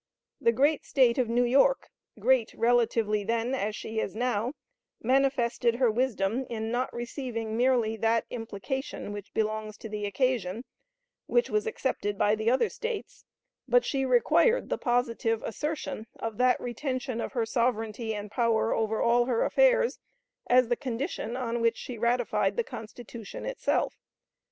The great State of New York great, relatively, then, as she is now manifested her wisdom in not receiving merely that implication which belongs to the occasion, which was accepted by the other States, but she required the positive assertion of that retention of her sovereignty and power over all her affairs as the condition on which she ratified the Constitution itself.